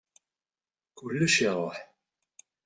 Kullec iṛuḥ.